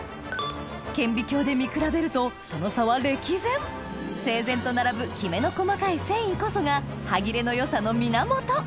顕微鏡で見比べるとその差は歴然整然と並ぶきめの細かい繊維こそが歯切れの良さの源